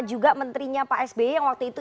juga menterinya pak sby yang waktu itu